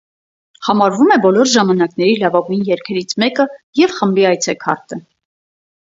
Համարվում է բոլոր ժամանակների լավագույն երգերից մեկը և խմբի «այցեքարտը»։